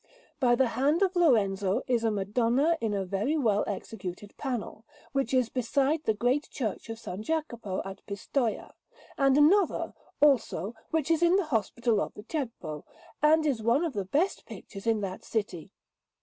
By the hand of Lorenzo is a Madonna in a very well executed panel, which is beside the great Church of S. Jacopo at Pistoia; and another, also, which is in the Hospital of the Ceppo, and is one of the best pictures in that city.